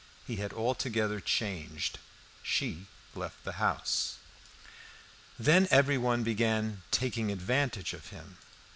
He had altogether changed. She left the house. Then everyone began "taking advantage" of him.